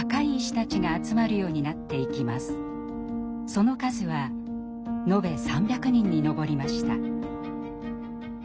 その数は延べ３００人に上りました。